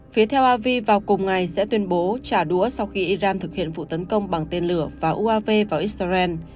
phía theo avi vào cùng ngày sẽ tuyên bố trả đũa sau khi iran thực hiện vụ tấn công bằng tên lửa và uav vào israel